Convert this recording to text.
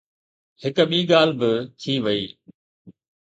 هڪ ٻي ڳالهه به ٿي وئي.